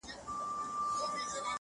په اخبار، په مجله، په راډيو کي